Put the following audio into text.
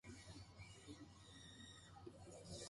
夢の中道描いていきましょう